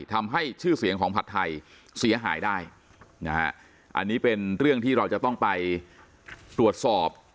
ทำให้ชื่อเสียงของผัดไทยเสียหายได้นะฮะอันนี้เป็นเรื่องที่เราจะต้องไปตรวจสอบ